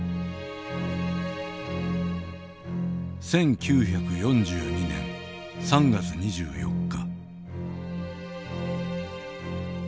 「１９４２年３月２４日」。